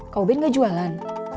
kau ben gak jualan